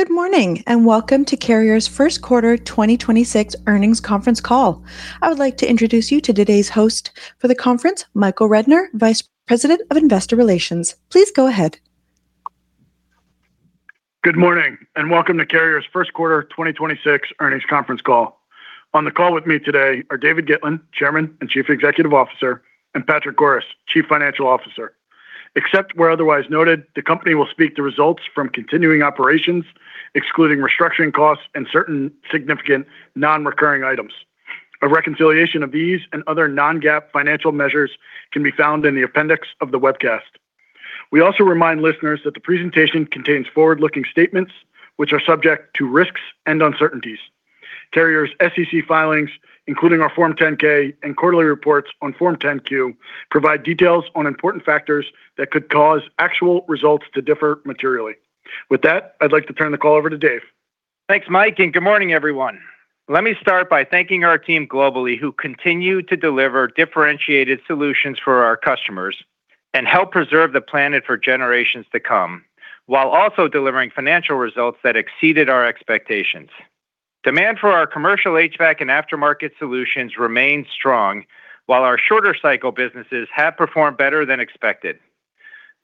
Good morning, and welcome to Carrier's first quarter 2026 earnings conference call. I would like to introduce you to today's host for the conference, Michael Rednor, Vice President of Investor Relations. Please go ahead. Good morning, and welcome to Carrier's first quarter 2026 earnings conference call. On the call with me today are David Gitlin, Chairman and Chief Executive Officer, and Patrick Goris, Chief Financial Officer. Except where otherwise noted, the company will speak to results from continuing operations, excluding restructuring costs and certain significant non-recurring items. A reconciliation of these and other non-GAAP financial measures can be found in the appendix of the webcast. We also remind listeners that the presentation contains forward-looking statements which are subject to risks and uncertainties. Carrier's SEC filings, including our Form 10-K and quarterly reports on Form 10-Q, provide details on important factors that could cause actual results to differ materially. With that, I'd like to turn the call over to Dave. Thanks, Mike, and good morning, everyone. Let me start by thanking our team globally, who continue to deliver differentiated solutions for our customers and help preserve the planet for generations to come, while also delivering financial results that exceeded our expectations. Demand for our Commercial HVAC and aftermarket solutions remain strong, while our shorter cycle businesses have performed better than expected.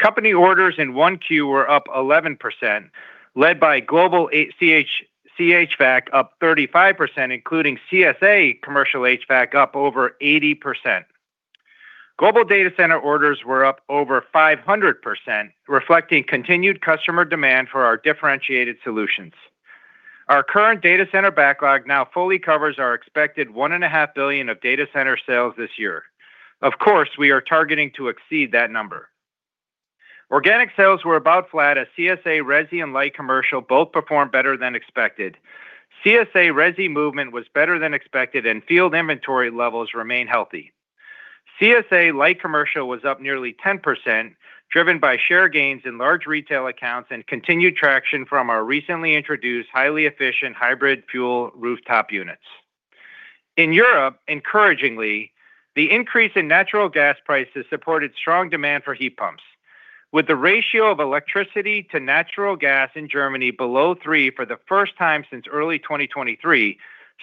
Company orders in 1Q were up 11%, led by global HVAC up 35%, including CSA Commercial HVAC up over 80%. Global data center orders were up over 500%, reflecting continued customer demand for our differentiated solutions. Our current data center backlog now fully covers our expected $1.5 billion of data center sales this year. Of course, we are targeting to exceed that number. Organic sales were about flat as CSA resi and light commercial both performed better than expected. CSA resi movement was better than expected and field inventory levels remain healthy. CSA light commercial was up nearly 10%, driven by share gains in large retail accounts and continued traction from our recently introduced highly efficient hybrid fuel rooftop units. In Europe, encouragingly, the increase in natural gas prices supported strong demand for heat pumps. With the ratio of electricity to natural gas in Germany below 3 for the first time since early 2023,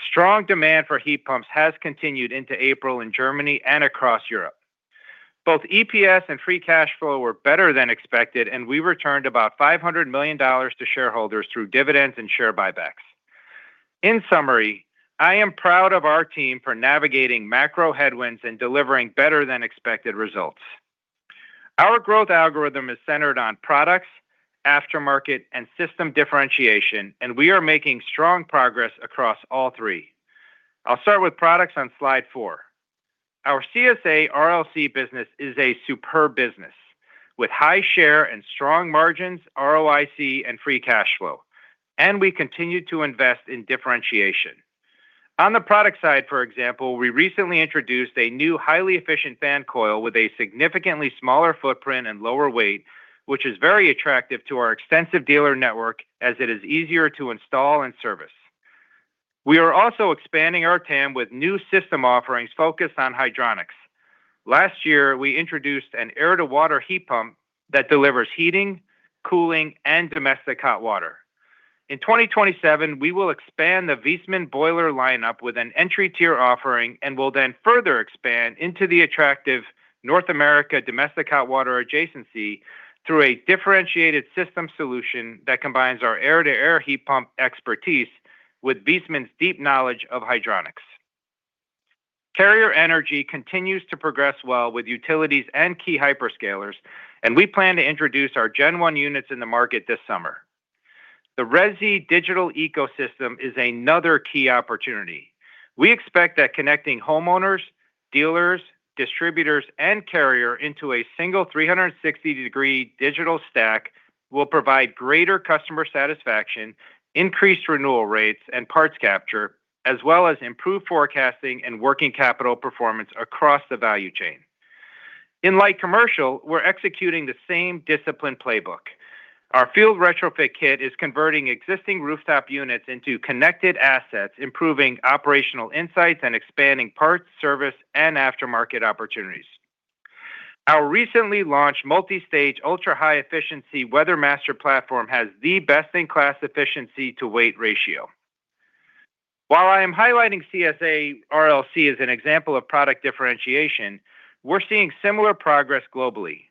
strong demand for heat pumps has continued into April in Germany and across Europe. Both EPS and free cash flow were better than expected, and we returned about $500 million to shareholders through dividends and share buybacks. In summary, I am proud of our team for navigating macro headwinds and delivering better than expected results. Our growth algorithm is centered on products, aftermarket, and system differentiation, and we are making strong progress across all three. I'll start with products on slide 4. Our CSA RLC business is a superb business with high share and strong margins, ROIC and free cash flow, and we continue to invest in differentiation. On the product side, for example, we recently introduced a new highly efficient fan coil with a significantly smaller footprint and lower weight, which is very attractive to our extensive dealer network as it is easier to install and service. We are also expanding our TAM with new system offerings focused on hydronics. Last year, we introduced an air-to-water heat pump that delivers heating, cooling, and domestic hot water. In 2027, we will expand the Viessmann boiler lineup with an entry-tier offering and will then further expand into the attractive North America domestic hot water adjacency through a differentiated system solution that combines our air-to-air heat pump expertise with Viessmann's deep knowledge of hydronics. Carrier Energy continues to progress well with utilities and key hyperscalers, and we plan to introduce our gen 1 units in the market this summer. The resi digital ecosystem is another key opportunity. We expect that connecting homeowners, dealers, distributors, and Carrier into a single 360-degree digital stack will provide greater customer satisfaction, increased renewal rates and parts capture, as well as improved forecasting and working capital performance across the value chain. In light commercial, we're executing the same disciplined playbook. Our field retrofit kit is converting existing rooftop units into connected assets, improving operational insights and expanding parts, service, and aftermarket opportunities. Our recently launched multi-stage ultra-high efficiency WeatherMaster platform has the best-in-class efficiency to weight ratio. While I am highlighting CSA RLC as an example of product differentiation, we're seeing similar progress globally.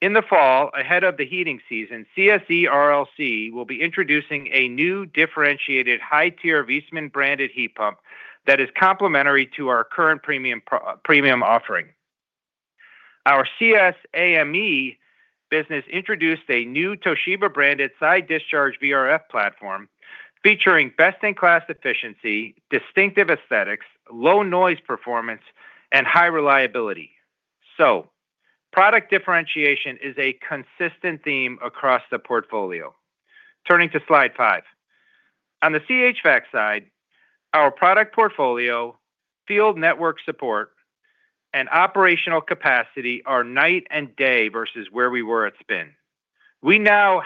In the fall, ahead of the heating season, CSE RLC will be introducing a new differentiated high-tier Viessmann branded heat pump that is complementary to our current premium offering. Our CSAME business introduced a new Toshiba branded side discharge VRF platform featuring best-in-class efficiency, distinctive aesthetics, low noise performance, and high reliability. Product differentiation is a consistent theme across the portfolio. Turning to slide 5. On the HVAC side, our product portfolio, field network support, and operational capacity are night and day versus where we were at spin. We now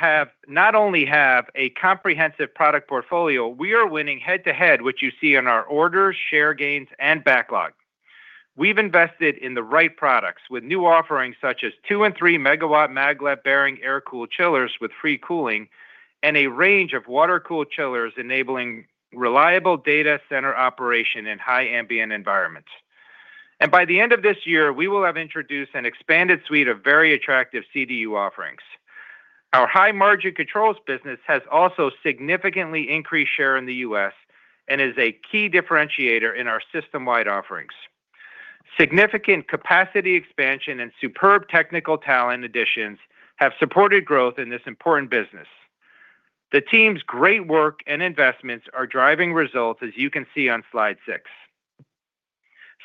not only have a comprehensive product portfolio, we are winning head-to-head, which you see in our orders, share gains, and backlog. We've invested in the right products with new offerings such as two and three-megawatt maglev-bearing air-cooled chillers with free cooling, a range of water-cooled chillers enabling reliable data center operation in high ambient environments. By the end of this year, we will have introduced an expanded suite of very attractive CDU offerings. Our high margin controls business has also significantly increased share in the U.S., is a key differentiator in our system-wide offerings. Significant capacity expansion and superb technical talent additions have supported growth in this important business. The team's great work and investments are driving results as you can see on slide six.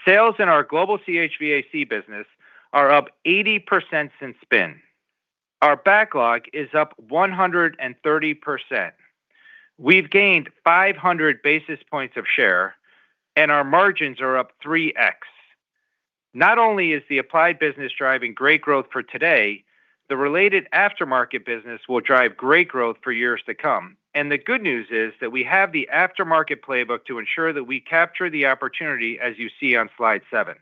Sales in our global CHVAC business are up 80% since spin. Our backlog is up 130%. We've gained 500 basis points of share, our margins are up 3x. Not only is the applied business driving great growth for today, the related aftermarket business will drive great growth for years to come. The good news is that we have the aftermarket playbook to ensure that we capture the opportunity as you see on slide 7.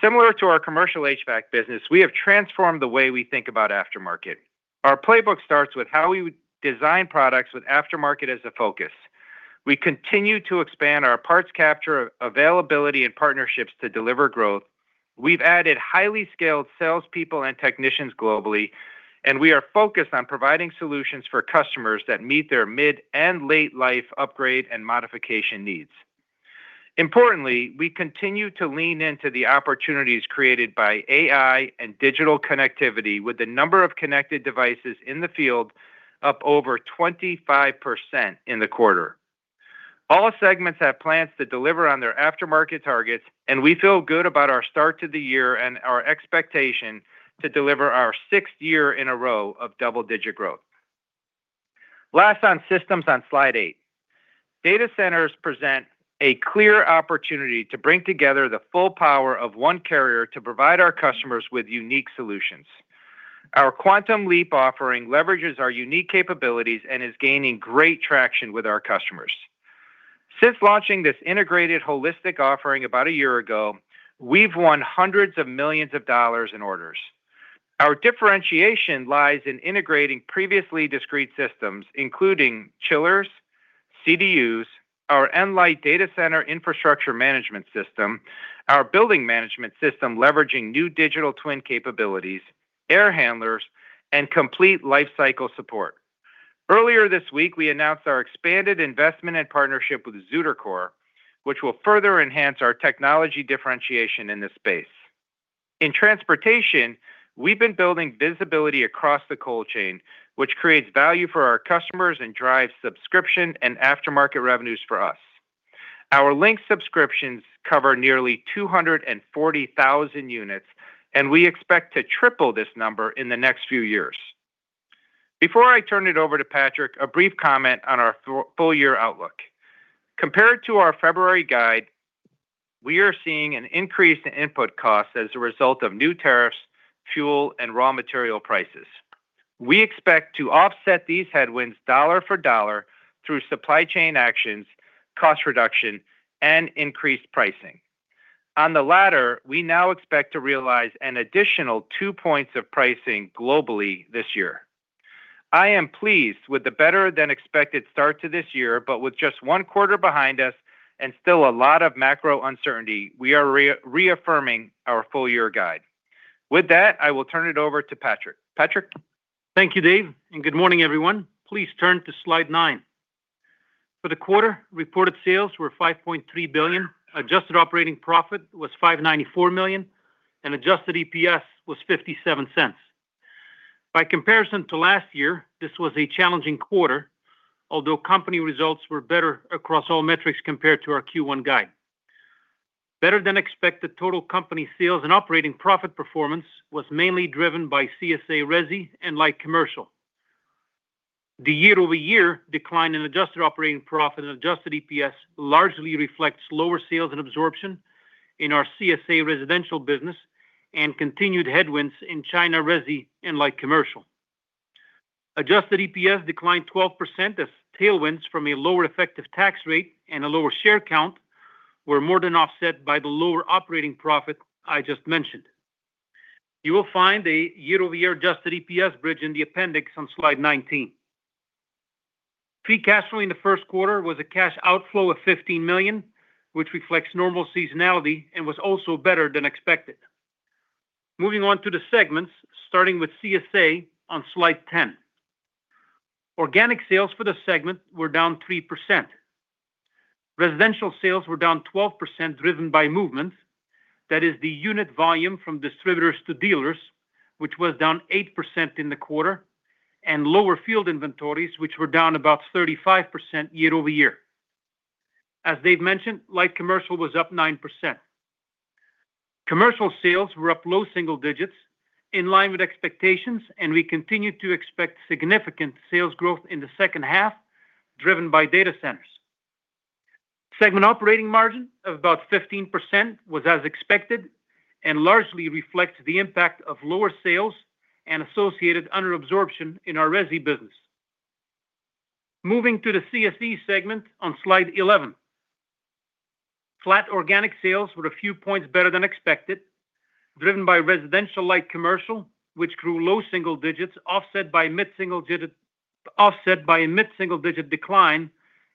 Similar to our Commercial HVAC business, we have transformed the way we think about aftermarket. Our playbook starts with how we design products with aftermarket as a focus. We continue to expand our parts capture availability and partnerships to deliver growth. We've added highly skilled salespeople and technicians globally, we are focused on providing solutions for customers that meet their mid and late life upgrade and modification needs. Importantly, we continue to lean into the opportunities created by AI and digital connectivity with the number of connected devices in the field up over 25% in the quarter. All segments have plans to deliver on their aftermarket targets, and we feel good about our start to the year and our expectation to deliver our 6th year in a row of double-digit growth. Last on systems on slide 8. Data centers present a clear opportunity to bring together the full power of one Carrier to provide our customers with unique solutions. Our QuantumLeap offering leverages our unique capabilities and is gaining great traction with our customers. Since launching this integrated holistic offering about a year ago, we've won $hundreds of millions in orders. Our differentiation lies in integrating previously discrete systems, including chillers, CDUs, our Nlyte data center infrastructure management system, our building management system leveraging new digital twin capabilities, air handlers, and complete lifecycle support. Earlier this week, we announced our expanded investment and partnership with ZutaCore, which will further enhance our technology differentiation in this space. In transportation, we've been building visibility across the cold chain, which creates value for our customers and drives subscription and aftermarket revenues for us. Our link subscriptions cover nearly 240,000 units, and we expect to triple this number in the next few years. Before I turn it over to Patrick, a brief comment on our full-year outlook. Compared to our February guide, we are seeing an increase in input costs as a result of new tariffs, fuel, and raw material prices. We expect to offset these headwinds dollar for dollar through supply chain actions, cost reduction, and increased pricing. On the latter, we now expect to realize an additional 2 points of pricing globally this year. I am pleased with the better than expected start to this year, but with just one quarter behind us and still a lot of macro uncertainty, we are re-reaffirming our full year guide. With that, I will turn it over to Patrick. Patrick? Thank you, David, and good morning, everyone. Please turn to slide 9. For the quarter, reported sales were $5.3 billion, adjusted operating profit was $594 million, and adjusted EPS was $0.57. By comparison to last year, this was a challenging quarter, although company results were better across all metrics compared to our Q1 guide. Better than expected total company sales and operating profit performance was mainly driven by CSA Resi and Light Commercial. The year-over-year decline in adjusted operating profit and adjusted EPS largely reflects lower sales and absorption in our CSA residential business and continued headwinds in China Resi and Light Commercial. Adjusted EPS declined 12% as tailwinds from a lower effective tax rate and a lower share count were more than offset by the lower operating profit I just mentioned. You will find a year-over-year adjusted EPS bridge in the appendix on slide 19. Free cash flow in the first quarter was a cash outflow of $15 million, which reflects normal seasonality and was also better than expected. Moving on to the segments, starting with CSA on slide 10. Organic sales for the segment were down 3%. Residential sales were down 12% driven by movement. That is the unit volume from distributors to dealers, which was down 8% in the quarter, and lower field inventories, which were down about 35% year-over-year. As Dave mentioned, Light Commercial was up 9%. Commercial sales were up low single digits in line with expectations, and we continued to expect significant sales growth in the second half, driven by data centers. Segment operating margin of about 15% was as expected and largely reflects the impact of lower sales and associated under absorption in our resi business. Moving to the CSE segment on slide 11. Flat organic sales were a few points better than expected, driven by residential light commercial, which grew low single digits, offset by a mid-single digit decline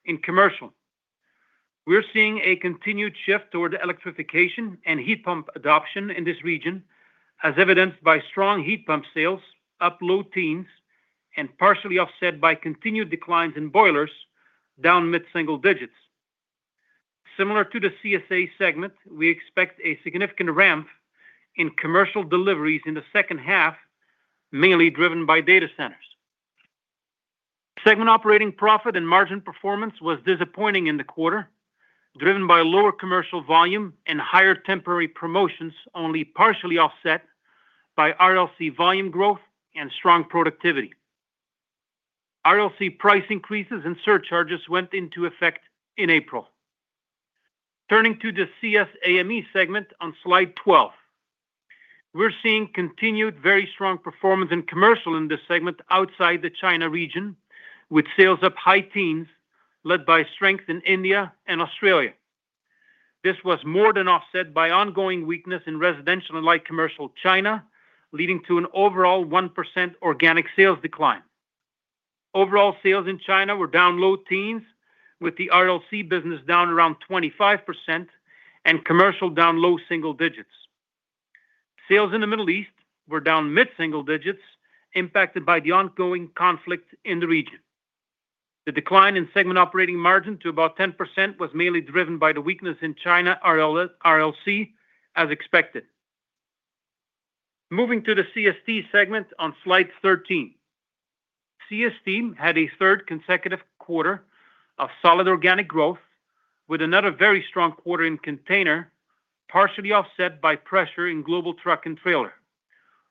in commercial. We're seeing a continued shift toward electrification and heat pump adoption in this region, as evidenced by strong heat pump sales, up low teens, and partially offset by continued declines in boilers, down mid-single digits. Similar to the CSA segment, we expect a significant ramp in commercial deliveries in the second half, mainly driven by data centers. Segment operating profit and margin performance was disappointing in the quarter, driven by lower commercial volume and higher temporary promotions, only partially offset by RLC volume growth and strong productivity. RLC price increases and surcharges went into effect in April. Turning to the CSAME segment on slide 12. We are seeing continued very strong performance in commercial in this segment outside the China region, with sales up high teens, led by strength in India and Australia. This was more than offset by ongoing weakness in residential and light commercial China, leading to an overall 1% organic sales decline. Overall sales in China were down low teens, with the RLC business down around 25% and commercial down low single digits. Sales in the Middle East were down mid-single digits, impacted by the ongoing conflict in the region. The decline in segment operating margin to about 10% was mainly driven by the weakness in China RLC, as expected. Moving to the CST segment on slide 13. CST had a third consecutive quarter of solid organic growth, with another very strong quarter in container, partially offset by pressure in global truck and trailer.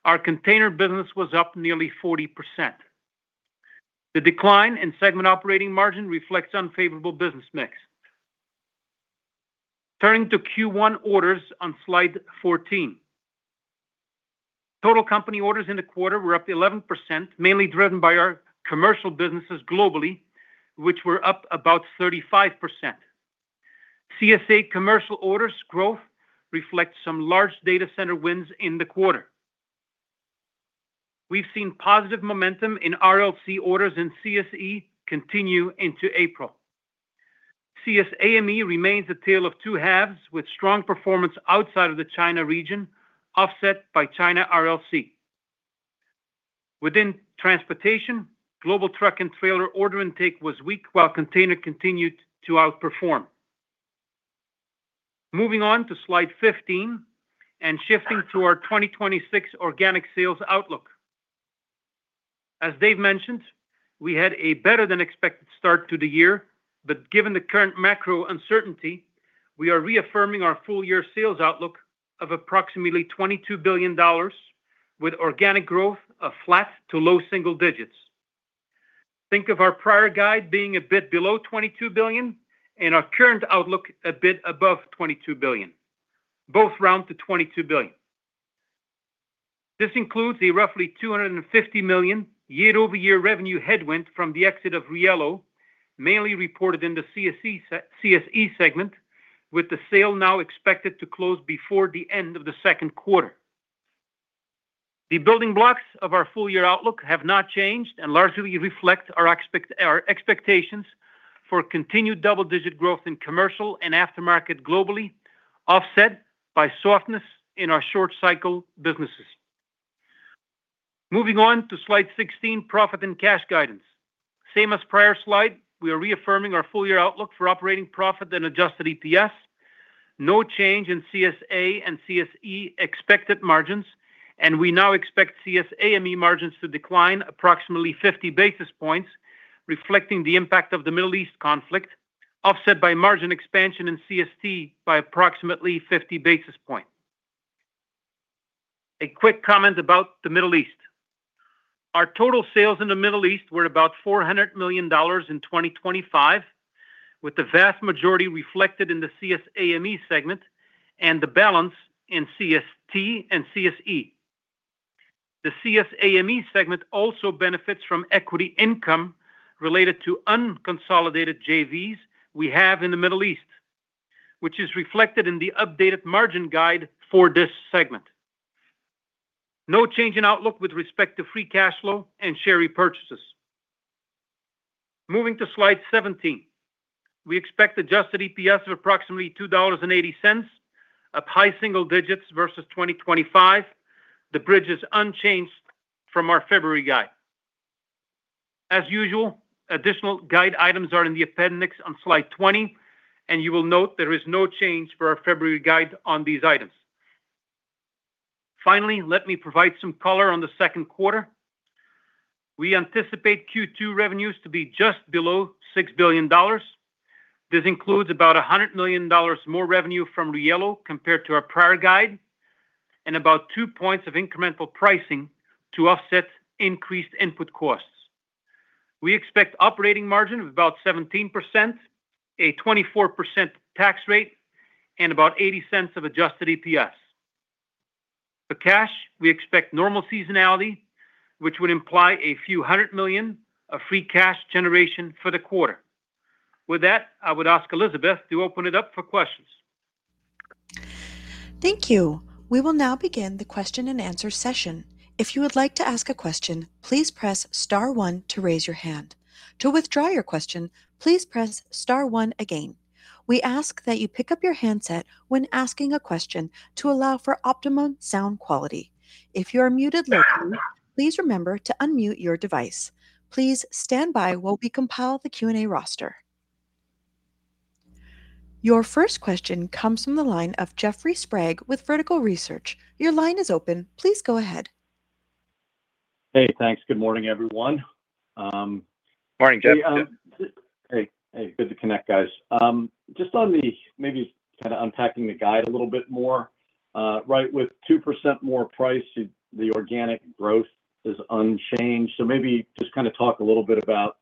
Our container business was up nearly 40%. The decline in segment operating margin reflects unfavorable business mix. Turning to Q1 orders on slide 14. Total company orders in the quarter were up 11%, mainly driven by our commercial businesses globally, which were up about 35%. CSA commercial orders growth reflects some large data center wins in the quarter. We've seen positive momentum in RLC orders and CSE continue into April. CSAME remains a tale of two halves with strong performance outside of the China region, offset by China RLC. Within transportation, global truck and trailer order intake was weak while container continued to outperform. Moving on to slide 15 and shifting to our 2026 organic sales outlook. As Dave mentioned, we had a better than expected start to the year, but given the current macro uncertainty, we are reaffirming our full-year sales outlook of approximately $22 billion with organic growth of flat to low single digits. Think of our prior guide being a bit below $22 billion and our current outlook a bit above $22 billion, both round to $22 billion. This includes a roughly $250 million year-over-year revenue headwind from the exit of Riello, mainly reported in the CSE segment, with the sale now expected to close before the end of the second quarter. The building blocks of our full-year outlook have not changed and largely reflect our expectations for continued double-digit growth in commercial and aftermarket globally, offset by softness in our short cycle businesses. Moving on to slide 16, profit and cash guidance. Same as prior slide, we are reaffirming our full-year outlook for operating profit and adjusted EPS. No change in CSA and CSE expected margins, and we now expect CSAME margins to decline approximately 50 basis points, reflecting the impact of the Middle East conflict, offset by margin expansion in CST by approximately 50 basis point. A quick comment about the Middle East. Our total sales in the Middle East were about $400 million in 2025, with the vast majority reflected in the CSAME segment and the balance in CST and CSE. The CSAME segment also benefits from equity income related to unconsolidated JVs we have in the Middle East, which is reflected in the updated margin guide for this segment. No change in outlook with respect to free cash flow and share repurchases. Moving to slide 17. We expect adjusted EPS of approximately $2.80, up high single digits versus 2025. The bridge is unchanged from our February guide. As usual, additional guide items are in the appendix on slide 20, and you will note there is no change for our February guide on these items. Finally, let me provide some color on the 2Q. We anticipate Q2 revenues to be just below $6 billion. This includes about $100 million more revenue from Riello compared to our prior guide, and about 2 points of incremental pricing to offset increased input costs. We expect operating margin of about 17%, a 24% tax rate, and about $0.80 of adjusted EPS. For cash, we expect normal seasonality, which would imply a few hundred million of free cash generation for the quarter. With that, I would ask Elizabeth to open it up for questions. Thank you. We will now begin the question and answer session. Your first question comes from the line of Jeffrey Sprague with Vertical Research. Your line is open. Please go ahead. Hey, thanks. Good morning, everyone. Morning, Jeff. Hey, good to connect guys. Just on the, maybe unpacking the guide a little bit more, right, with 2% more price, the organic growth is unchanged. Maybe just talk a little bit about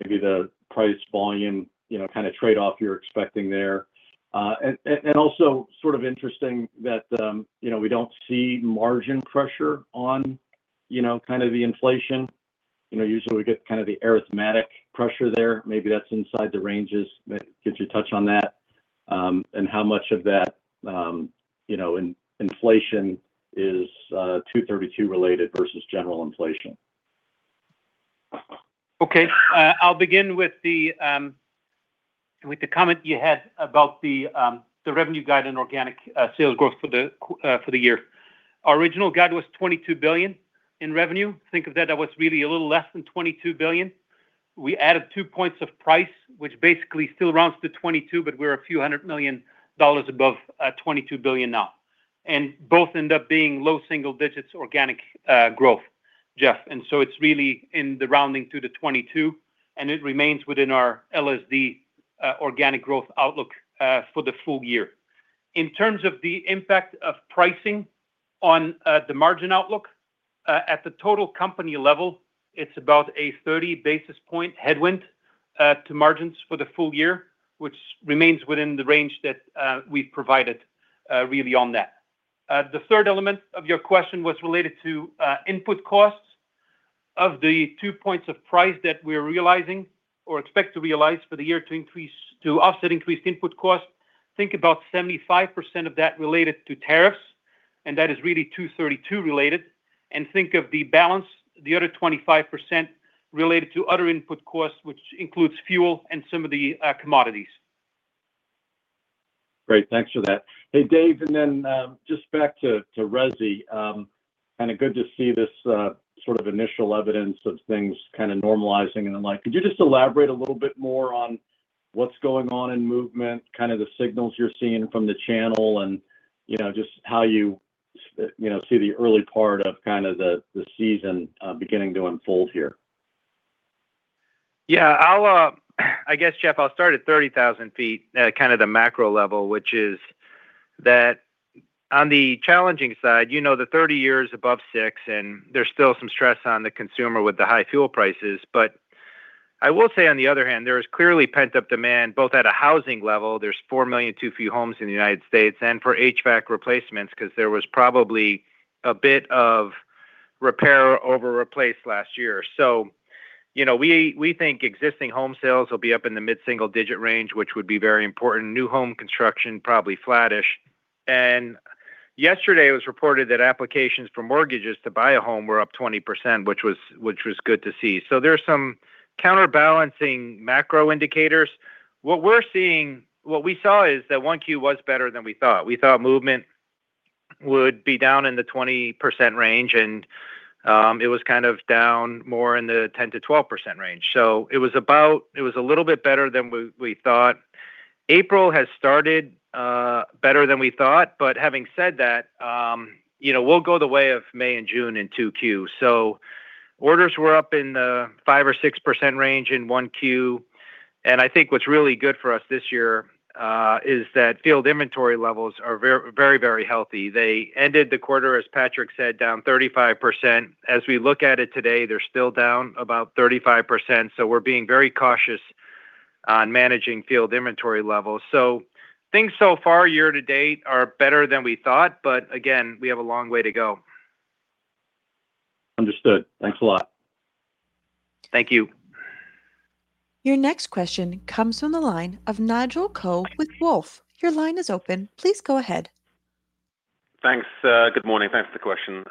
maybe the price volume, you know, trade-off you're expecting there. And also sort of interesting that, you know, we don't see margin pressure on, you know, the inflation. You know, usually we get the arithmetic pressure there. Maybe that's inside the ranges. Could you touch on that, and how much of that, you know, inflation is 232 related versus general inflation? Okay. I'll begin with the comment you had about the revenue guide and organic sales growth for the year. Our original guide was $22 billion in revenue. Think of that was really a little less than $22 billion. We added 2 points of price, which basically still rounds to $22, but we're a few hundred million dollars above $22 billion now. Both end up being low single-digits organic growth, Jeff. It's really in the rounding to the $22, and it remains within our LSD organic growth outlook for the full year. In terms of the impact of pricing on the margin outlook at the total company level, it's about a 30 basis point headwind to margins for the full year, which remains within the range that we've provided really on that. The third element of your question was related to input costs. Of the 2 points of price that we're realizing or expect to realize for the year to offset increased input costs, think about 75% of that related to tariffs, that is really 232 related. Think of the balance, the other 25% related to other input costs, which includes fuel and some of the commodities. Great, thanks for that. Hey, Dave, and then, just back to resi, kinda good to see this, sort of initial evidence of things kinda normalizing and the like. Could you just elaborate a little bit more on what's going on in movement, kinda the signals you're seeing from the channel and, you know, just how you know, see the early part of kinda the season beginning to unfold here? Yeah, I'll, I guess, Jeff, I'll start at 30,000 feet at kinda the macro level, which is that on the challenging side, you know, the 30-year is above 6, and there's still some stress on the consumer with the high fuel prices. I will say, on the other hand, there is clearly pent-up demand both at a housing level, there's 4 million too few homes in the United States, and for HVAC replacements, 'cause there was probably a bit of repair over replace last year. You know, we think existing home sales will be up in the mid-single-digit range, which would be very important. New home construction, probably flattish. Yesterday it was reported that applications for mortgages to buy a home were up 20%, which was good to see. There's some counterbalancing macro indicators. What we saw is that 1Q was better than we thought. We thought movement would be down in the 20% range, and it was kinda down more in the 10%-12% range. It was a little bit better than we thought. April has started better than we thought, but having said that, you know, we'll go the way of May and June in 2Q. Orders were up in the 5%-6% range in 1Q. I think what's really good for us this year is that field inventory levels are very healthy. They ended the quarter, as Patrick said, down 35%. As we look at it today, they're still down about 35%, so we're being very cautious on managing field inventory levels. Things so far year to date are better than we thought, but again, we have a long way to go. Understood. Thanks a lot. Thank you. Your next question comes from the line of Nigel Coe with Wolfe. Your line is open. Please go ahead. Thanks. Good morning. Thanks for the question.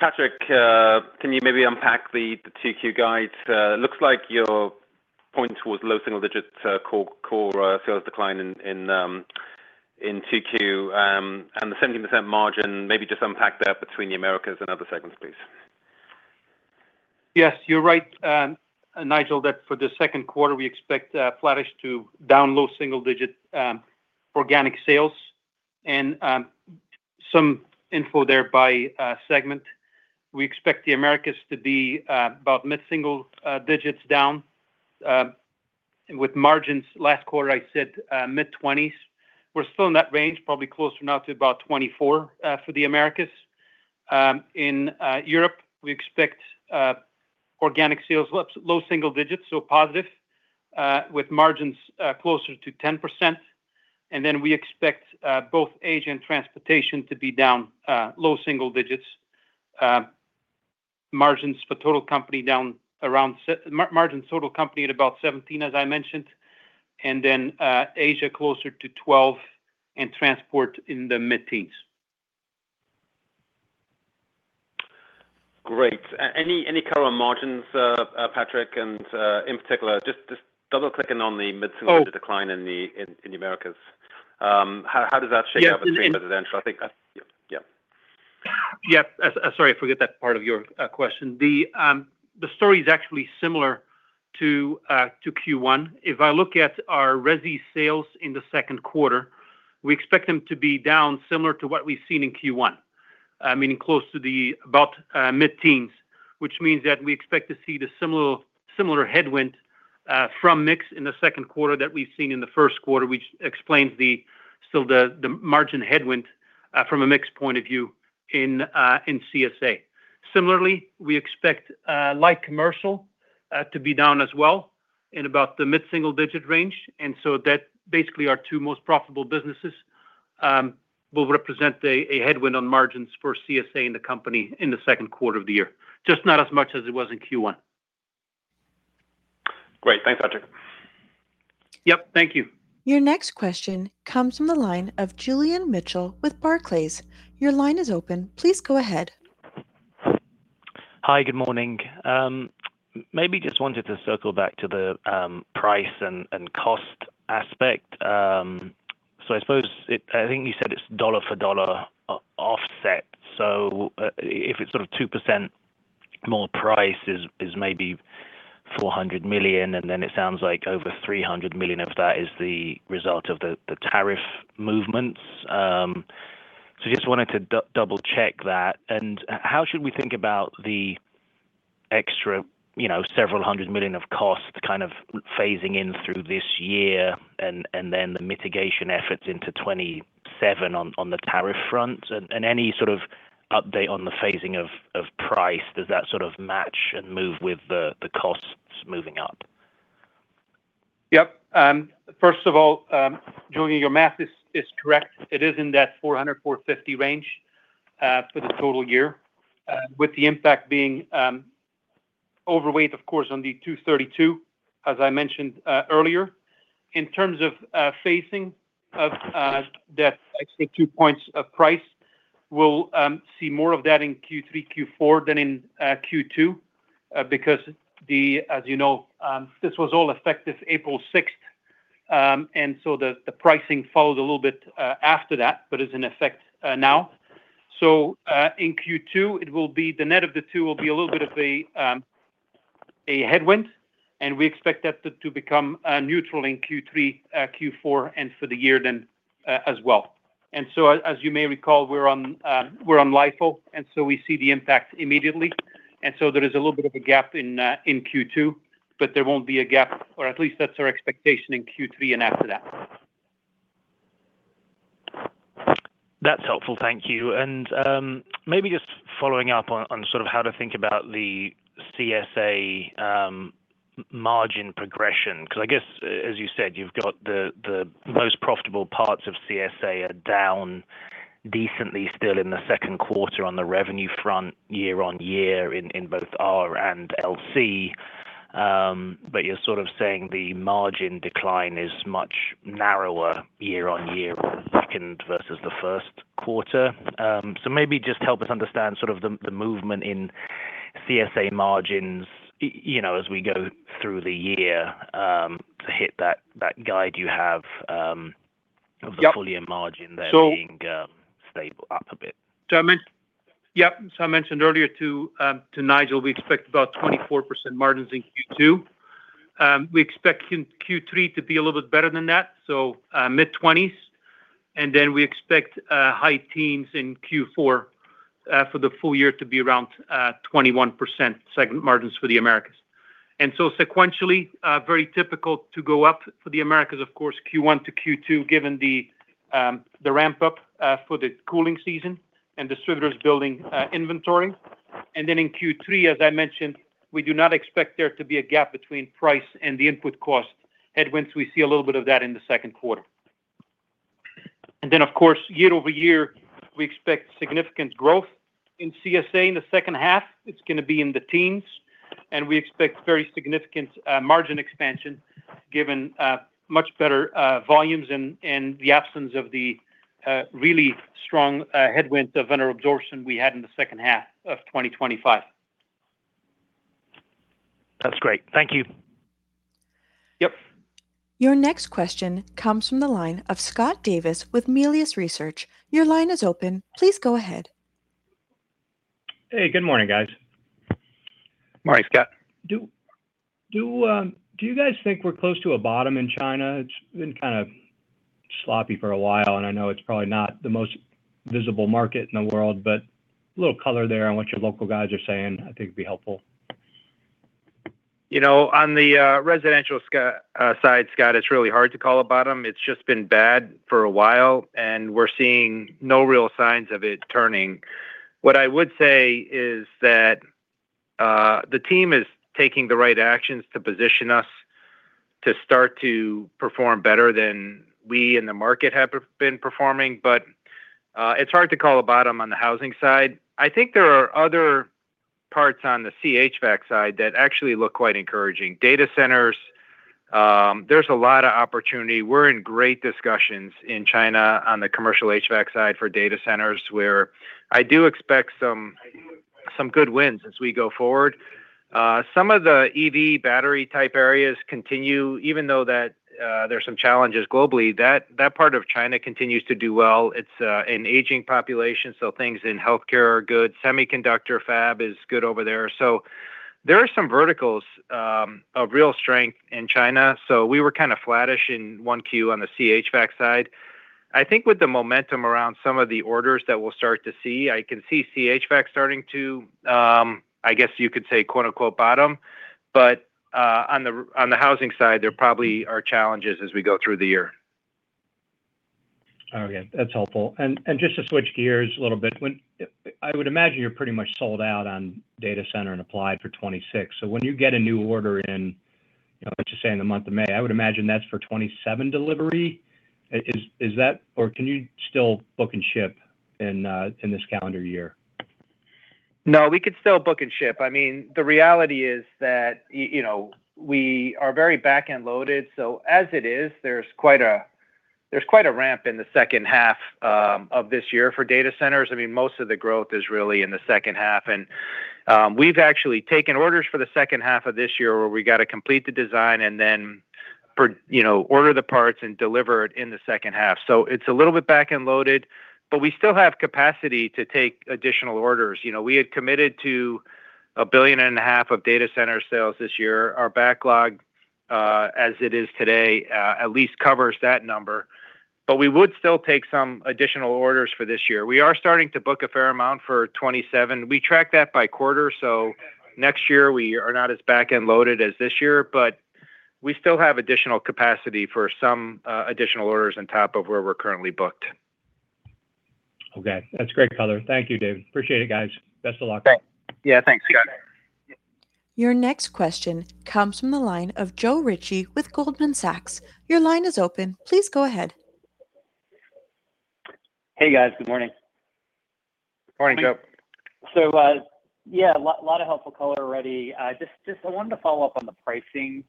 Patrick Goris, can you maybe unpack the 2Q guide? Looks like your point towards low single digits core sales decline in 2Q, and the 17% margin, maybe just unpack that between the Americas and other segments, please. You're right, Nigel, that for the 2nd quarter we expect flattish to down low single-digit organic sales. Some info there by segment. We expect the Americas to be about mid-single digits down. With margins last quarter, I said mid-20s. We're still in that range, probably closer now to about 24 for the Americas. In Europe, we expect organic sales low single digits, so positive, with margins closer to 10%. We expect both Asia and Transportation to be down low single digits. Margins for total company down around margin total company at about 17, as I mentioned, Asia closer to 12 and Transportation in the mid-teens. Great. Any color on margins, Patrick, and in particular, just double-clicking on the mid-single- Oh -digit decline in the Americas. How does that shake out between residential? Yeah. Yeah. Sorry, I forgot that part of your question. The story is actually similar to Q1. If I look at our resi sales in the second quarter, we expect them to be down similar to what we've seen in Q1, meaning about mid-teens, which means that we expect to see the similar headwind from mix in the second quarter that we've seen in the first quarter, which explains the still the margin headwind from a mix point of view in CSA. Similarly, we expect light commercial to be down as well in about the mid-single-digit range. That basically our 2 most profitable businesses, will represent a headwind on margins for CSA in the company in the second quarter of the year, just not as much as it was in Q1. Great. Thanks, Patrick. Yep, thank you. Your next question comes from the line of Julian Mitchell with Barclays. Your line is open. Please go ahead. Hi, good morning. Maybe just wanted to circle back to the price and cost aspect. I suppose I think you said it's dollar for dollar offset. If it's sort of 2% more price is maybe $400 million, and then it sounds like over $300 million of that is the result of the tariff movements. Just wanted to double-check that. How should we think about the extra, you know, $several hundred million of costs kinda phasing in through this year and then the mitigation efforts into 2027 on the tariff front? Any sort of update on the phasing of price, does that sort of match and move with the costs moving up? Yep. First of all, Julian, your math is correct. It is in that $400 million-$450 million range for the total year, with the impact being overweight, of course, on the 232, as I mentioned earlier. In terms of phasing of that extra 2 points of price, we'll see more of that in Q3, Q4 than in Q2. Because as you know, this was all effective April 6, the pricing followed a little bit after that, but is in effect now. In Q2, the net of the 2 will be a little bit of a headwind, we expect that to become neutral in Q3, Q4, and for the year as well. As you may recall, we're on LIFO, and so we see the impact immediately. There is a little bit of a gap in Q2, but there won't be a gap, or at least that's our expectation in Q3 and after that. That's helpful. Thank you. Maybe just following up on sort of how to think about the CSA margin progression. I guess, as you said, you've got the most profitable parts of CSA are down decently still in the 2nd quarter on the revenue front year-over-year in both R and LC. You're sort of saying the margin decline is much narrower year-over-year for the 2nd versus the 1st quarter. Maybe just help us understand sort of the movement in CSA margins, you know, as we go through the year, to hit that guide you have. Yep... of the full year margin there being stable up a bit. Yep. I mentioned earlier to Nigel, we expect about 24% margins in Q2. We expect in Q3 to be a little bit better than that, so, mid-twenties. Then we expect high teens in Q4, for the full year to be around 21% segment margins for the Americas. Sequentially, very typical to go up for the Americas, of course, Q1 to Q2, given the ramp-up for the cooling season and distributors building inventory. Then in Q3, as I mentioned, we do not expect there to be a gap between price and the input cost headwinds. We see a little bit of that in the second quarter. Then, of course, year-over-year, we expect significant growth in CSA in the second half. It's gonna be in the teens. We expect very significant margin expansion, given much better volumes and the absence of the really strong headwind of vendor absorption we had in the second half of 2025. That's great. Thank you. Yep. Your next question comes from the line of Scott Davis with Melius Research. Your line is open. Please go ahead. Hey, good morning, guys. Morning, Scott. Do you guys think we're close to a bottom in China? It's been kinda sloppy for a while, and I know it's probably not the most visible market in the world, but a little color there on what your local guys are saying, I think, would be helpful. You know, on the residential side, Scott, it's really hard to call a bottom. It's just been bad for a while, and we're seeing no real signs of it turning. What I would say is that the team is taking the right actions to position us to start to perform better than we in the market have been performing. It's hard to call a bottom on the housing side. I think there are other parts on the Commercial HVAC side that actually look quite encouraging. Data centers, there's a lot of opportunity. We're in great discussions in China on the Commercial HVAC side for data centers, where I do expect some good wins as we go forward. Some of the EV battery type areas continue, even though there's some challenges globally, that part of China continues to do well. It's an aging population, so things in healthcare are good. Semiconductor fab is good over there. There are some verticals of real strength in China. We were kinda flattish in 1Q on the Commercial HVAC side. I think with the momentum around some of the orders that we'll start to see, I can see Commercial HVAC starting to, I guess you could say, quote unquote, "bottom." On the housing side, there probably are challenges as we go through the year. Okay. That's helpful. Just to switch gears a little bit, when I would imagine you're pretty much sold out on data center and applied for 2026. When you get a new order in, you know, let's just say in the month of May, I would imagine that's for 2027 delivery. Is that or can you still book and ship in this calendar year? No, we could still book and ship. I mean, the reality is that you know, we are very back-end loaded. As it is, there's quite a ramp in the second half of this year for data centers. I mean, most of the growth is really in the second half. We've actually taken orders for the second half of this year where we got to complete the design and then for, you know, order the parts and deliver it in the second half. It's a little bit back-end loaded, but we still have capacity to take additional orders. You know, we had committed to a billion and a half dollars of data center sales this year. Our backlog, as it is today, at least covers that number. We would still take some additional orders for this year. We are starting to book a fair amount for 2027. We track that by quarter, so next year we are not as back-end loaded as this year. We still have additional capacity for some additional orders on top of where we're currently booked. That's great color. Thank you, David. Appreciate it, guys. Best of luck. Okay. Yeah, thanks, Scott. Your next question comes from the line of Joe Ritchie with Goldman Sachs. Your line is open. Please go ahead. Hey, guys. Good morning. Morning, Joe. Yeah, a lot of helpful color already. Just I wanted to follow up on the pricing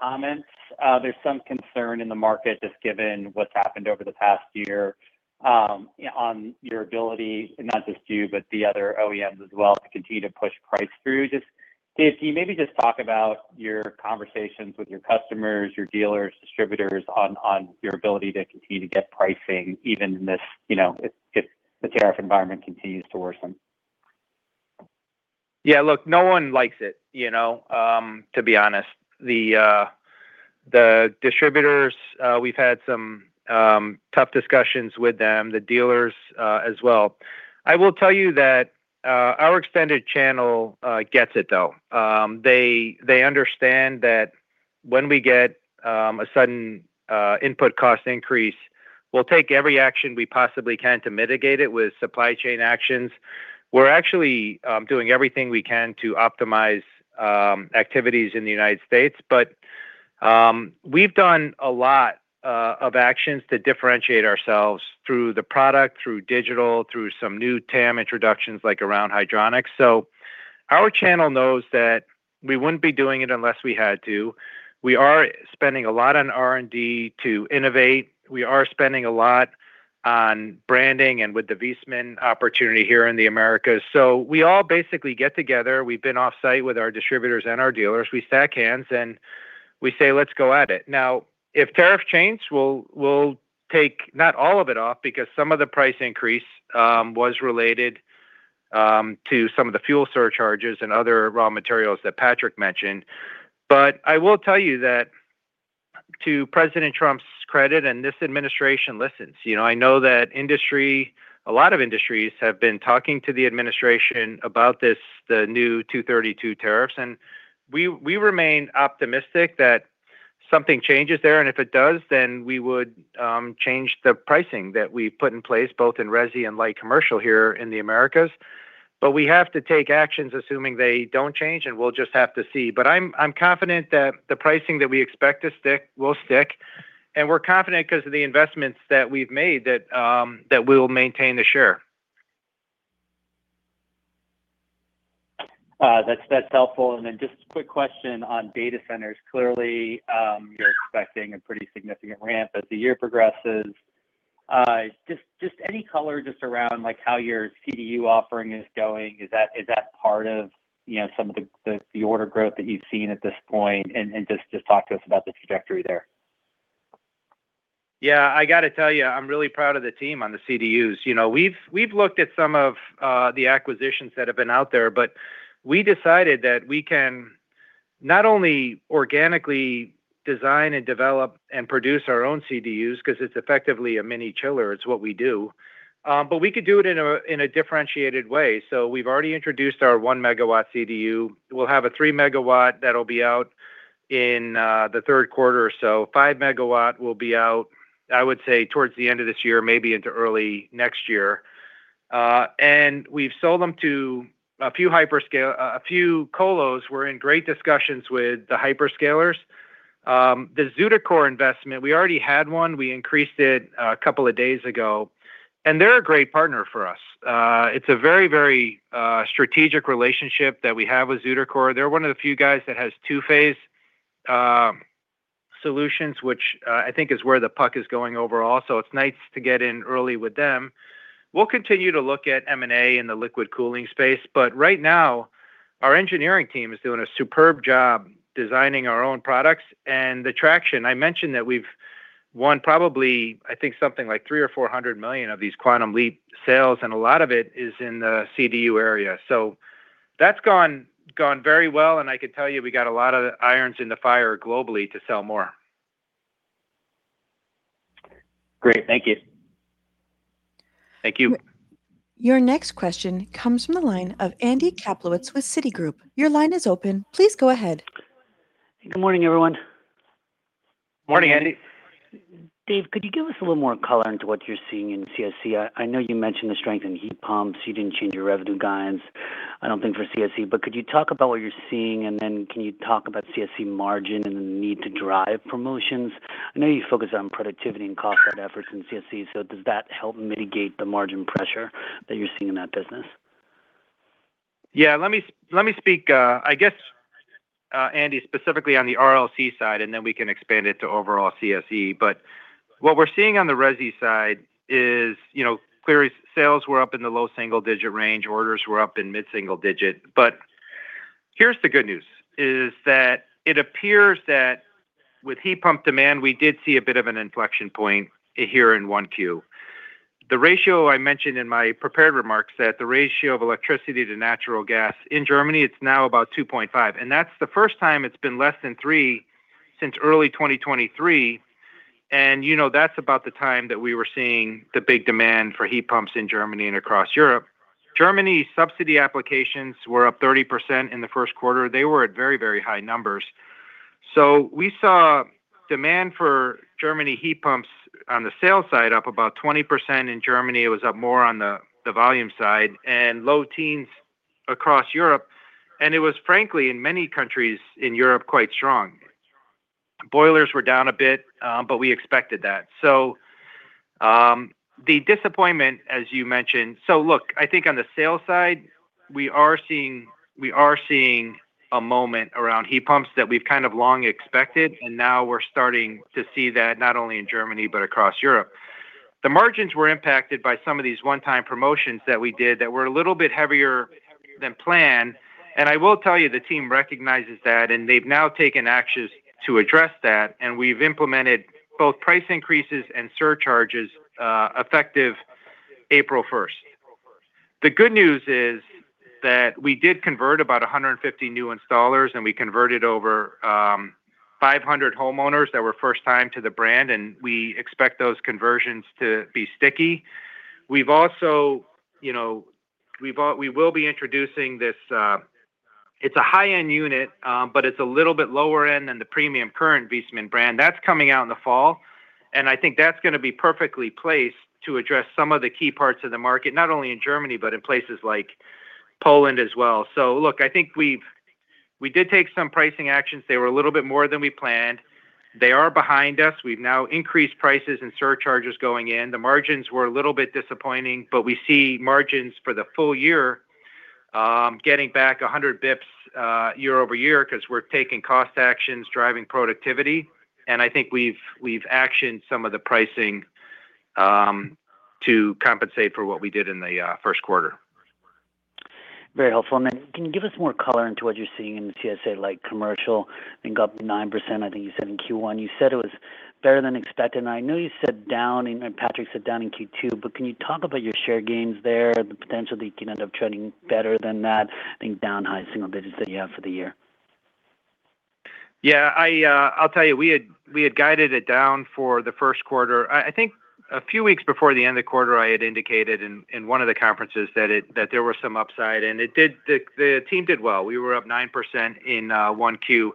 comments. There's some concern in the market, just given what's happened over the past year, yeah, on your ability, and not just you, but the other OEMs as well, to continue to push price through. Just, Dave, can you maybe just talk about your conversations with your customers, your dealers, distributors on your ability to continue to get pricing even in this, you know, if the tariff environment continues to worsen? Yeah, look, no one likes it, you know, to be honest. The distributors, we've had some tough discussions with them, the dealers, as well. I will tell you that our extended channel gets it though. They understand that when we get a sudden input cost increase, we'll take every action we possibly can to mitigate it with supply chain actions. We're actually doing everything we can to optimize activities in the U.S. We've done a lot of actions to differentiate ourselves through the product, through digital, through some new TAM introductions, like around hydronics. Our channel knows that we wouldn't be doing it unless we had to. We are spending a lot on R&D to innovate. We are spending a lot on branding and with the Viessmann opportunity here in the Americas. We all basically get together. We've been off-site with our distributors and our dealers. We stack hands, and we say, "Let's go at it." If tariff changes, we'll take not all of it off because some of the price increase was related to some of the fuel surcharges and other raw materials that Patrick mentioned. I will tell you that to President Trump's credit, and this administration listens, you know, I know that industry, a lot of industries have been talking to the administration about this, the new Section 232 tariffs, and we remain optimistic that something changes there, and if it does, then we would change the pricing that we put in place, both in resi and light commercial here in the Americas. We have to take actions assuming they don't change, and we'll just have to see. I'm confident that the pricing that we expect to stick will stick, and we're confident because of the investments that we've made that we'll maintain the share. That's helpful. Then just a quick question on data centers. Clearly, you're expecting a pretty significant ramp as the year progresses. Just any color just around, like, how your CDU offering is going? Is that part of, you know, some of the order growth that you've seen at this point? Just talk to us about the trajectory there. Yeah. I got to tell you, I'm really proud of the team on the CDUs. You know, we've looked at some of the acquisitions that have been out there, but we decided that we can not only organically design and develop and produce our own CDUs, 'cause it's effectively a mini chiller. It's what we do. We could do it in a differentiated way. We've already introduced our 1 megawatt CDU. We'll have a 3 megawatt that'll be out in the third quarter or so. 5 megawatt will be out, I would say, towards the end of this year, maybe into early next year. We've sold them to a few colos. We're in great discussions with the hyperscalers. The ZutaCore investment, we already had one. We increased it a couple of days ago. They're a great partner for us. It's a very, very strategic relationship that we have with ZutaCore. They're one of the few guys that has two-phase solutions, which I think is where the puck is going overall. It's nice to get in early with them. We'll continue to look at M&A in the liquid cooling space. Right now, our engineering team is doing a superb job designing our own products. The traction, I mentioned that we've won probably, I think something like $300 million or $400 million of these QuantumLeap sales, and a lot of it is in the CDU area. That's gone very well, and I can tell you, we got a lot of irons in the fire globally to sell more. Great. Thank you. Thank you. Your next question comes from the line of Andrew Kaplowitz with Citigroup. Your line is open. Please go ahead. Good morning, everyone. Morning, Andy. David, could you give us a little more color into what you're seeing in CSE? I know you mentioned the strength in heat pumps. You didn't change your revenue guidance, I don't think, for CSE. Could you talk about what you're seeing, and then can you talk about CSE margin and the need to drive promotions? I know you focus on productivity and cost cut efforts in CSE, so does that help mitigate the margin pressure that you're seeing in that business? Yeah. Let me, let me speak, Andy, specifically on the RLC side, and then we can expand it to overall CSE. What we're seeing on the resi side is, you know, clearly sales were up in the low single-digit range. Orders were up in mid-single digit. Here's the good news, is that it appears that with heat pump demand, we did see a bit of an inflection point here in 1Q. The ratio I mentioned in my prepared remarks that the ratio of electricity to natural gas in Germany, it's now about 2.5, and that's the first time it's been less than 3 since early 2023. You know, that's about the time that we were seeing the big demand for heat pumps in Germany and across Europe. Germany subsidy applications were up 30% in the first quarter. They were at very, very high numbers. We saw demand for Germany heat pumps on the sales side up about 20% in Germany. It was up more on the volume side, and low teens across Europe, and it was frankly, in many countries in Europe, quite strong. Boilers were down a bit, but we expected that. The disappointment, as you mentioned. On the sales side, we are seeing a moment around heat pumps that we've kinda long expected, and now we're starting to see that not only in Germany, but across Europe. The margins were impacted by some of these one-time promotions that we did that were a little bit heavier than planned. I will tell you, the team recognizes that, and they've now taken actions to address that, and we've implemented both price increases and surcharges, effective April 1st. The good news is that we did convert about 150 new installers, and we converted over 500 homeowners that were first time to the brand, and we expect those conversions to be sticky. We've also, you know, we will be introducing this. It's a high-end unit, but it's a little bit lower-end than the premium current Viessmann brand. That's coming out in the fall, and I think that's gonna be perfectly placed to address some of the key parts of the market, not only in Germany, but in places like Poland as well. Look, I think we did take some pricing actions. They were a little bit more than we planned. They are behind us. We've now increased prices and surcharges going in. The margins were a little bit disappointing, but we see margins for the full year, getting back 100 basis points, year-over-year because we're taking cost actions, driving productivity. I think we've actioned some of the pricing to compensate for what we did in the first quarter. Very helpful. Can you give us more color into what you're seeing in the CSA light commercial? I think up 9%, I think you said, in Q1. You said it was better than expected, and I know you said down and Patrick said down in Q2, but can you talk about your share gains there, the potential that you can end up trending better than that, I think, down high single digits that you have for the year? Yeah. I'll tell you, we had guided it down for the first quarter. I think a few weeks before the end of quarter, I had indicated in one of the conferences that there was some upside, and it did. The team did well. We were up 9% in 1Q.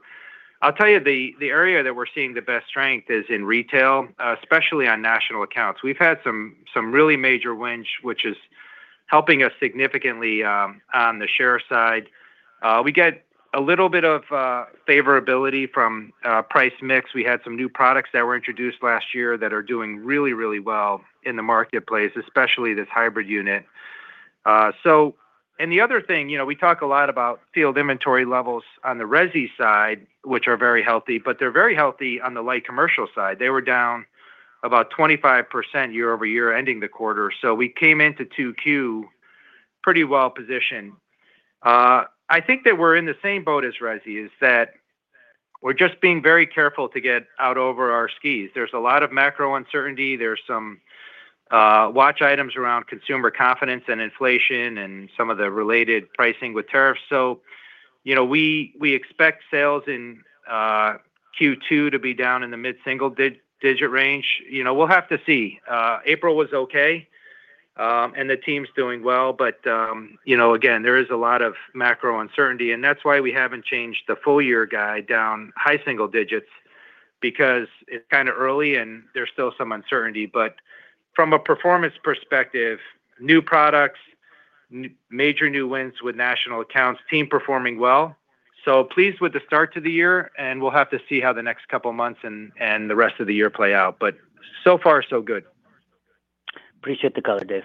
I'll tell you, the area that we're seeing the best strength is in retail, especially on national accounts. We've had some really major wins, which is helping us significantly on the share side. We get a little bit of favorability from price mix. We had some new products that were introduced last year that are doing really well in the marketplace, especially this hybrid unit. The other thing, you know, we talk a lot about field inventory levels on the resi side, which are very healthy, but they're very healthy on the light commercial side. They were down about 25% year-over-year ending the quarter. We came into 2Q pretty well positioned. I think that we're in the same boat as resi, is that we're just being very careful to get out over our skis. There's a lot of macro uncertainty. There's some watch items around consumer confidence and inflation and some of the related pricing with tariffs. You know, we expect sales in 2Q to be down in the mid-single-digit range. You know, we'll have to see. April was okay, and the team's doing well, but, again, there is a lot of macro uncertainty, and that's why we haven't changed the full year guide down high single digits because it's kinda early and there's still some uncertainty. From a performance perspective, new products, major new wins with national accounts, team performing well. Pleased with the start to the year, and we'll have to see how the next 2 months and the rest of the year play out. So far so good. Appreciate the color, Dave.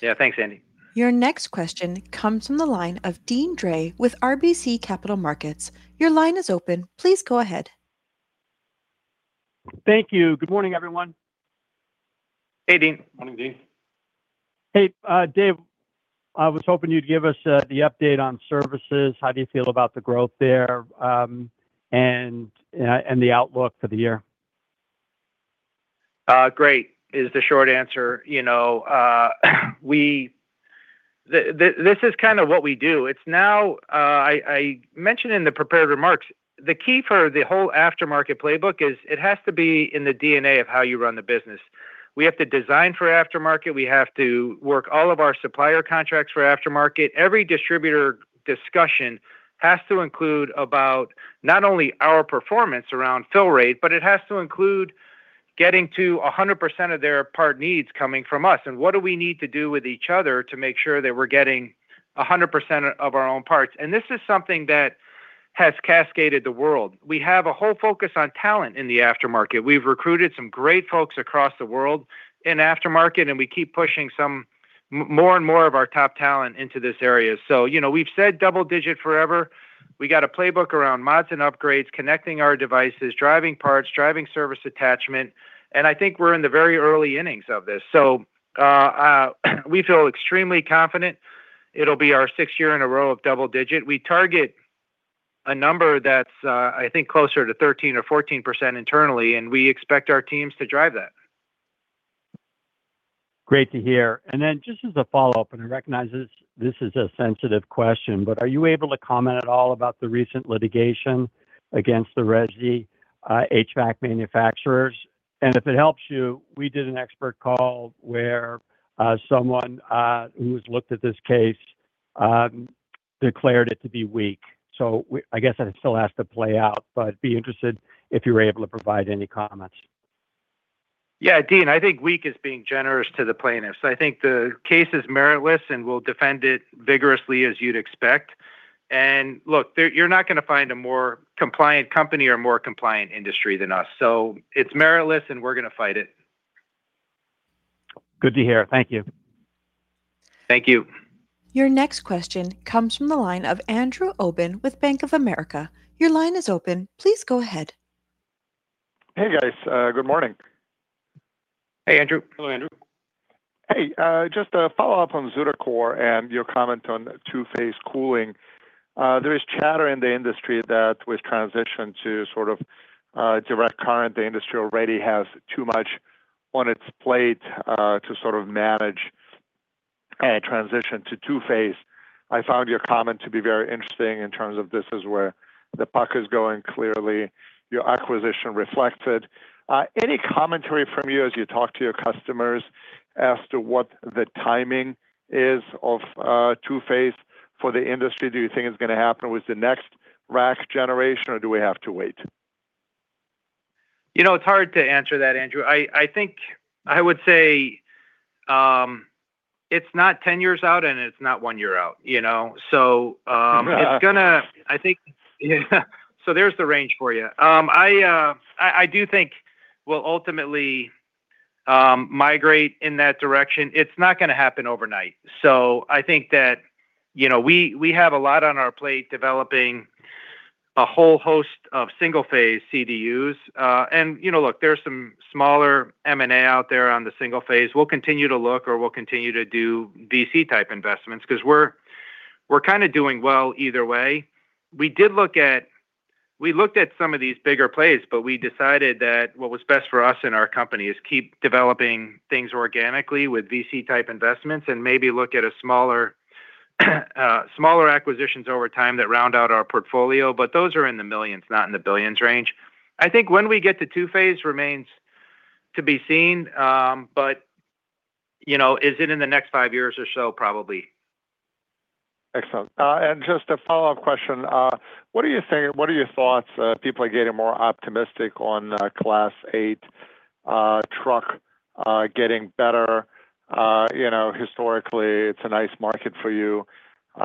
Yeah. Thanks, Andy. Your next question comes from the line of Deane Dray with RBC Capital Markets. Your line is open. Please go ahead. Thank you. Good morning, everyone. Hey, Deane. Morning, Deane. Hey, Dave, I was hoping you'd give us the update on services. How do you feel about the growth there, and the outlook for the year? Great is the short answer. You know, this is kinda what we do. It's now, I mentioned in the prepared remarks, the key for the whole aftermarket playbook is it has to be in the DNA of how you run the business. We have to design for aftermarket. We have to work all of our supplier contracts for aftermarket. Every distributor discussion has to include about not only our performance around fill rate, but it has to include getting to 100% of their part needs coming from us, and what do we need to do with each other to make sure that we're getting 100% of our own parts. This is something that has cascaded the world. We have a whole focus on talent in the aftermarket. We've recruited some great folks across the world in aftermarket, and we keep pushing some more and more of our top talent into this area. You know, we've said double-digit forever. We got a playbook around mods and upgrades, connecting our devices, driving parts, driving service attachment, and I think we're in the very early innings of this. We feel extremely confident it'll be our sixth year in a row of double-digit. We target a number that's, I think closer to 13% or 14% internally, and we expect our teams to drive that. Great to hear. Just as a follow-up, I recognize this is a sensitive question, but are you able to comment at all about the recent litigation against the Reg E HVAC manufacturers? If it helps you, we did an expert call where someone who's looked at this case declared it to be weak. I guess it still has to play out, but be interested if you were able to provide any comments. Yeah, Deane, I think weak is being generous to the plaintiffs. I think the case is meritless, and we'll defend it vigorously as you'd expect. Look, you're not gonna find a more compliant company or more compliant industry than us. It's meritless, and we're gonna fight it. Good to hear. Thank you. Thank you. Your next question comes from the line of Andrew Obin with Bank of America. Your line is open. Please go ahead. Hey, guys. good morning. Hey, Andrew. Hello, Andrew. Hey. Just a follow-up on ZutaCore and your comment on two-phase cooling. There is chatter in the industry that with transition to sort of direct current, the industry already has too much on its plate to sort of manage a transition to two-phase. I found your comment to be very interesting in terms of this is where the puck is going. Clearly, your acquisition reflected. Any commentary from you as you talk to your customers as to what the timing is of two-phase for the industry? Do you think it's gonna happen with the next rack generation, or do we have to wait? You know, it's hard to answer that, Andrew. I think I would say, it's not 10 years out, and it's not one year out, you know? It's gonna, I think. There's the range for you. I do think we'll ultimately migrate in that direction. It's not gonna happen overnight. I think that, you know, we have a lot on our plate developing a whole host of single-phase CDUs. You know, look, there are some smaller M&A out there on the single-phase. We'll continue to look, or we'll continue to do VC-type investments 'cause we're kinda doing well either way. We looked at some of these bigger plays, but we decided that what was best for us and our company is keep developing things organically with VC-type investments and maybe look at a smaller acquisitions over time that round out our portfolio. Those are in the $ millions, not in the $ billions range. I think when we get to two-phase remains to be seen. You know, is it in the next 5 years or so? Probably. Excellent. Just a follow-up question. What are your thoughts, people are getting more optimistic on Class 8 truck getting better? You know, historically, it's a nice market for you. You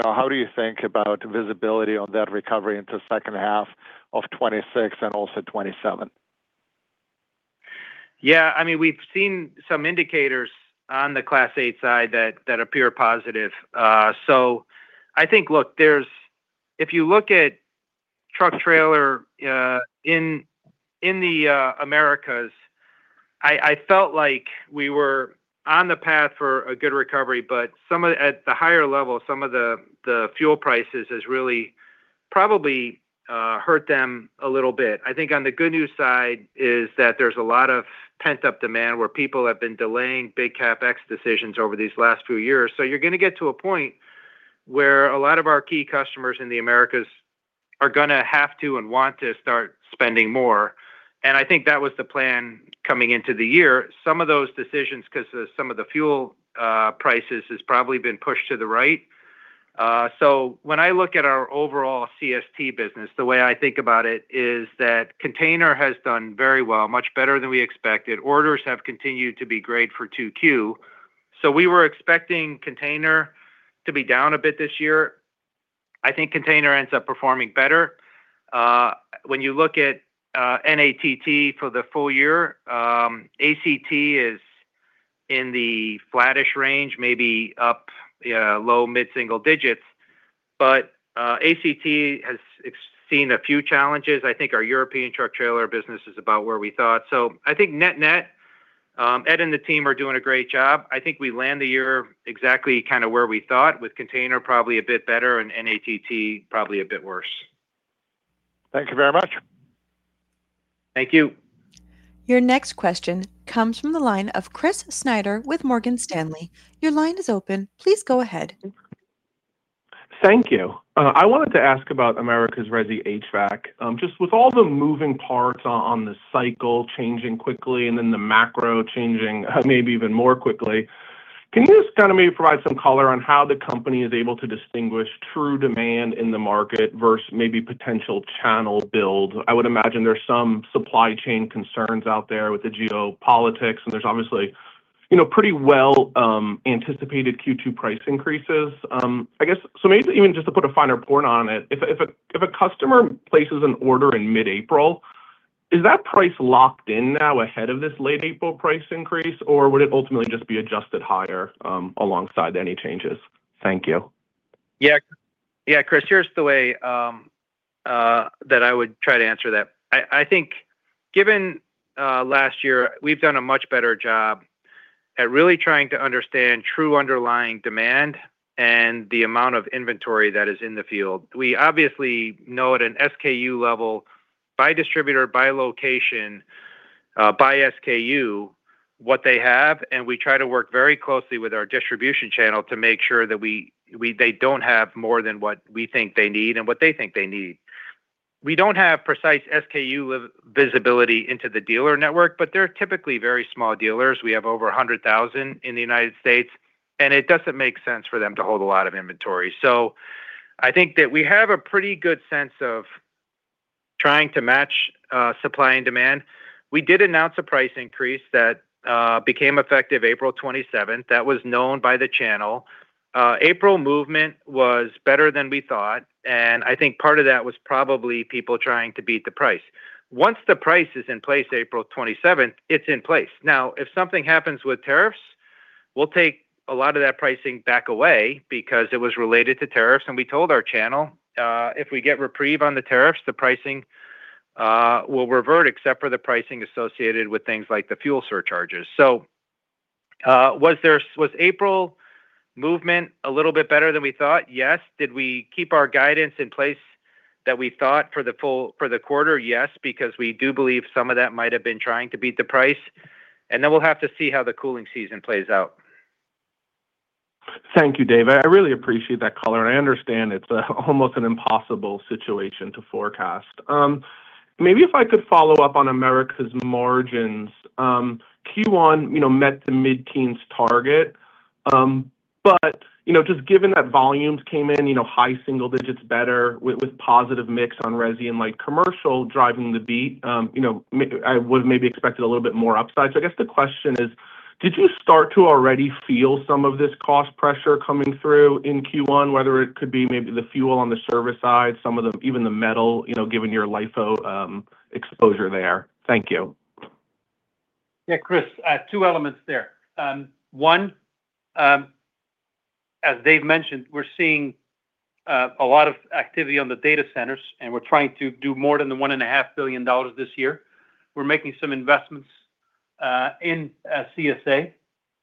know, how do you think about visibility on that recovery into second half of 2026 and also 2027? Yeah, I mean, we've seen some indicators on the Class 8 side that appear positive. I think, look, If you look at truck trailer in the Americas, I felt like we were on the path for a good recovery, but at the higher level, some of the fuel prices has really probably hurt them a little bit. I think on the good news side is that there's a lot of pent-up demand where people have been delaying big CapEx decisions over these last few years. You're gonna get to a point where a lot of our key customers in the Americas are gonna have to and want to start spending more. I think that was the plan coming into the year. Some of those decisions, 'cause of some of the fuel prices, has probably been pushed to the right. When I look at our overall CST business, the way I think about it is that container has done very well, much better than we expected. Orders have continued to be great for 2Q. We were expecting container to be down a bit this year. I think container ends up performing better. When you look at NATT for the full year, ACT is in the flattish range, maybe up, yeah, low mid-single digits. ACT has seen a few challenges. I think our European truck trailer business is about where we thought. I think net-net, Ed and the team are doing a great job. I think we land the year exactly kinda where we thought with container probably a bit better and NATT probably a bit worse. Thank you very much. Thank you. Your next question comes from the line of Christopher Snyder with Morgan Stanley. Your line is open. Please go ahead. Thank you. I wanted to ask about America's Resi HVAC. Just with all the moving parts on the cycle changing quickly and then the macro changing maybe even more quickly, can you just kinda maybe provide some color on how the company is able to distinguish true demand in the market versus maybe potential channel build? I would imagine there's some supply chain concerns out there with the geopolitics, and there's obviously, you know, pretty well anticipated Q2 price increases. I guess, so maybe even just to put a finer point on it, if a customer places an order in mid-April, is that price locked in now ahead of this late April price increase, or would it ultimately just be adjusted higher alongside any changes? Thank you. Yeah. Yeah, Chris, here's the way that I would try to answer that. I think given last year, we've done a much better job at really trying to understand true underlying demand and the amount of inventory that is in the field. We obviously know at an SKU level by distributor, by location, by SKU, what they have, and we try to work very closely with our distribution channel to make sure that they don't have more than what we think they need and what they think they need. We don't have precise SKU visibility into the dealer network, but they're typically very small dealers. We have over 100,000 in the U.S., it doesn't make sense for them to hold a lot of inventory. I think that we have a pretty good sense of trying to match supply and demand. We did announce a price increase that became effective April 27th. That was known by the channel. April movement was better than we thought, and I think part of that was probably people trying to beat the price. Once the price is in place April 27th, it's in place. If something happens with tariffs, we'll take a lot of that pricing back away because it was related to tariffs, and we told our channel, if we get reprieve on the tariffs, the pricing will revert except for the pricing associated with things like the fuel surcharges. Was April movement a little bit better than we thought? Yes. Did we keep our guidance in place that we thought for the full, for the quarter? Yes, because we do believe some of that might have been trying to beat the price. We'll have to see how the cooling season plays out. Thank you, Dave. I really appreciate that color, and I understand it's almost an impossible situation to forecast. Maybe if I could follow up on America's margins. Q1, you know, met the mid-teens target. Just given that volumes came in, you know, high-single-digits, better with positive mix on resi and light commercial driving the beat, you know, I would've maybe expected a little bit more upside. I guess the question is, did you start to already feel some of this cost pressure coming through in Q1, whether it could be maybe the fuel on the service side, some of the, even the metal, you know, given your LIFO exposure there? Thank you. Yeah, Chris, two elements there. One, as Dave mentioned, we're seeing a lot of activity on the data centers, and we're trying to do more than $1.5 billion this year. We're making some investments in CSA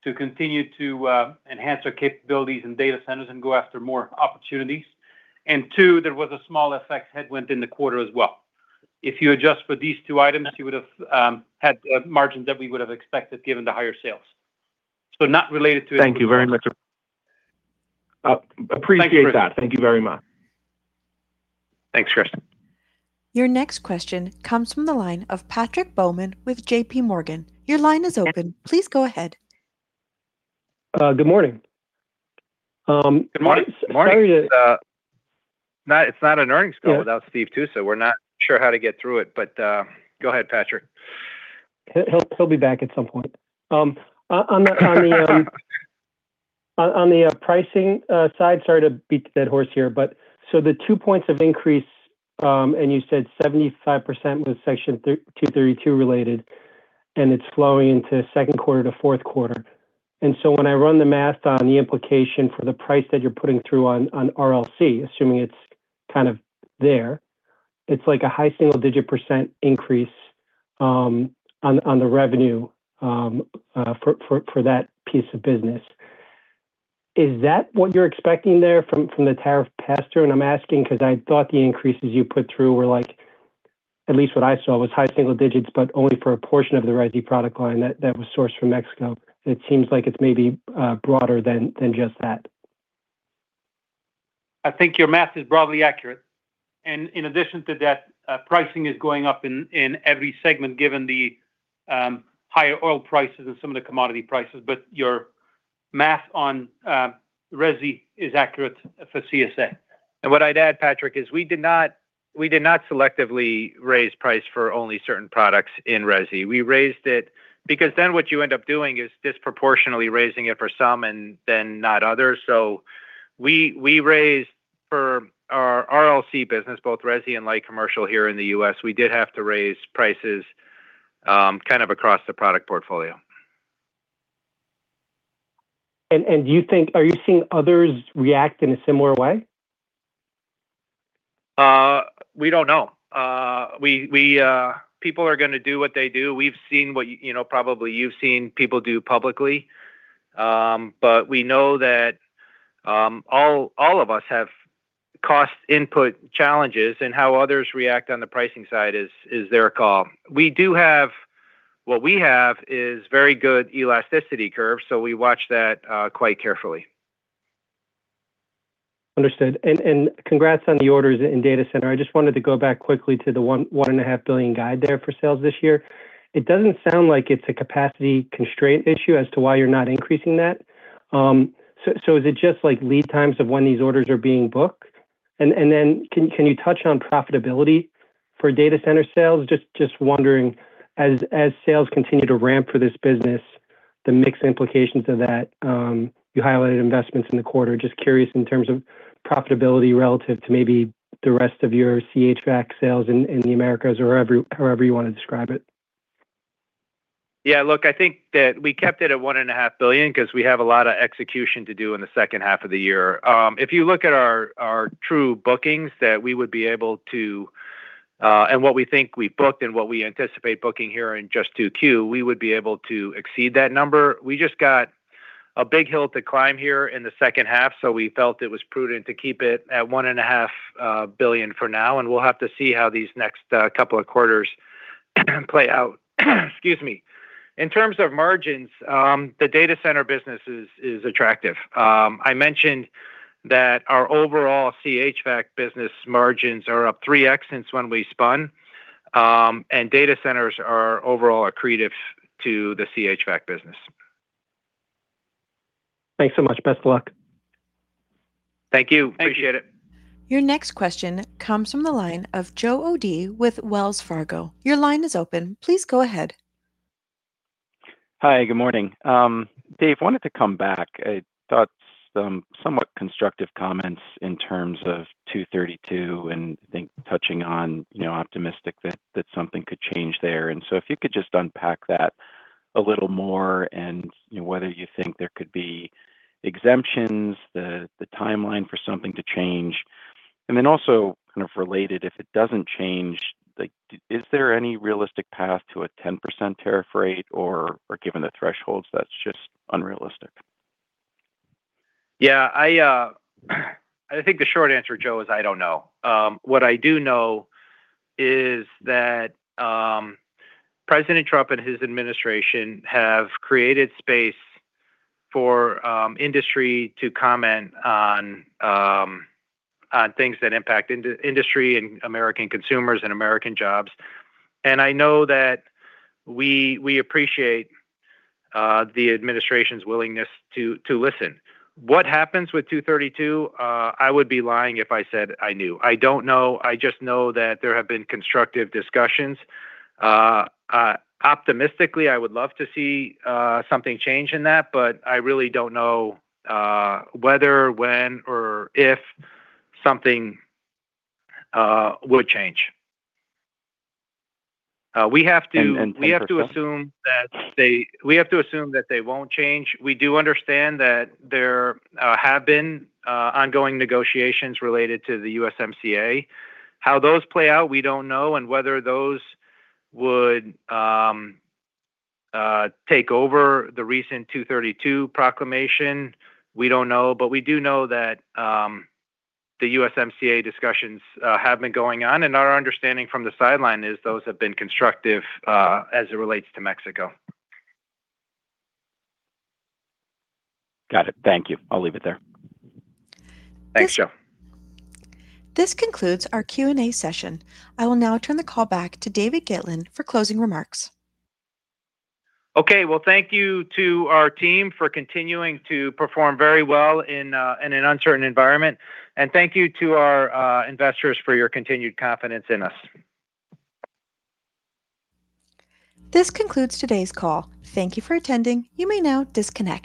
to continue to enhance our capabilities in data centers and go after more opportunities. Two, there was a small FX headwind in the quarter as well. If you adjust for these two items, you would have had margins that we would have expected given the higher sales. Thank you very much. Appreciate that. Thanks, Chris. Thank you very much. Your next question comes from the line of Patrick Baumann with JPMorgan. Your line is open. Please go ahead. Good morning. Good morning. Sorry to- It's not an earnings call. Yeah Without Steve Tusa, we're not sure how to get through it, but go ahead, Patrick. He'll be back at some point. On the pricing side, sorry to beat the dead horse here, the two points of increase, and you said 75% was Section 232 related, and it's flowing into second quarter to fourth quarter. When I run the math on the implication for the price that you're putting through on RLC, assuming it's kinda there, it's like a high single-digit % increase on the revenue for that piece of business. Is that what you're expecting there from the tariff pass-through? I'm asking 'cause I thought the increases you put through were like. At least what I saw was high single digits, only for a portion of the resi product line that was sourced from Mexico. It seems like it's maybe broader than just that. I think your math is broadly accurate. In addition to that, pricing is going up in every segment given the higher oil prices and some of the commodity prices. Your math on resi is accurate for CSA. What I'd add, Patrick, is we did not selectively raise price for only certain products in resi. We raised it. What you end up doing is disproportionately raising it for some, and then not others. We raised for our RLC business, both resi and light commercial here in the U.S., we did have to raise prices kinda across the product portfolio. Are you seeing others react in a similar way? We don't know. People are gonna do what they do. We've seen what you know, probably you've seen people do publicly. We know that all of us have cost input challenges, and how others react on the pricing side is their call. What we have is very good elasticity curves, so we watch that quite carefully. Understood. Congrats on the orders in data center. I just wanted to go back quickly to the $1.5 billion guide there for sales this year. It doesn't sound like it's a capacity constraint issue as to why you're not increasing that. Is it just like lead times of when these orders are being booked? Then can you touch on profitability for data center sales? Just wondering as sales continue to ramp for this business, the mix implications of that. You highlighted investments in the quarter. Just curious in terms of profitability relative to maybe the rest of your HVAC sales in the Americas or however you wanna describe it. Yeah, look, I think that we kept it at $1.5 billion because we have a lot of execution to do in the second half of the year. If you look at our true bookings that we would be able to, and what we think we booked and what we anticipate booking here in just 2Q, we would be able to exceed that number. We just got a big hill to climb here in the second half. We felt it was prudent to keep it at $1.5 billion for now, and we'll have to see how these next couple of quarters play out. Excuse me. In terms of margins, the data center business is attractive. I mentioned that our overall HVAC business margins are up 3x since when we spun. Data centers are overall accretive to the HVAC business. Thanks so much. Best of luck. Thank you. Appreciate it. Your next question comes from the line of Joe O'Dea with Wells Fargo. Your line is open. Please go ahead. Hi, good morning. Dave, wanted to come back. I thought some somewhat constructive comments in terms of 232, touching on, you know, optimistic that something could change there. If you could just unpack that a little more and, you know, whether you think there could be exemptions, the timeline for something to change. Also kinda related, if it doesn't change, like, is there any realistic path to a 10% tariff rate, or given the thresholds, that's just unrealistic? Yeah. I think the short answer, Joe, is I don't know. What I do know is that President Trump and his administration have created space for industry to comment on things that impact industry and American consumers and American jobs. I know that we appreciate the administration's willingness to listen. What happens with 232, I would be lying if I said I knew. I don't know. I just know that there have been constructive discussions. Optimistically, I would love to see something change in that, but I really don't know whether, when or if something would change. We have to- And, and- We have to assume that they won't change. We do understand that there have been ongoing negotiations related to the USMCA. How those play out, we don't know, and whether those would take over the recent 232 proclamation, we don't know. We do know that the USMCA discussions have been going on, and our understanding from the sideline is those have been constructive as it relates to Mexico. Got it. Thank you. I'll leave it there. Thanks, Joe. This concludes our Q&A session. I will now turn the call back to David Gitlin for closing remarks. Well, thank you to our team for continuing to perform very well in an uncertain environment, and thank you to our investors for your continued confidence in us. This concludes today's call. Thank you for attending. You may now disconnect.